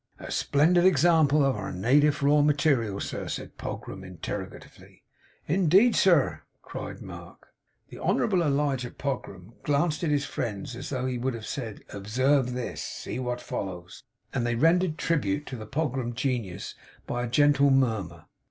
'A splendid example of our na tive raw material, sir?' said Pogram, interrogatively. 'Indeed, sir!' cried Mark. The Honourable Elijah Pogram glanced at his friends as though he would have said, 'Observe this! See what follows!' and they rendered tribute to the Pogram genius by a gentle murmur.